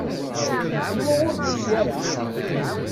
Anwa ur d-nusi ara?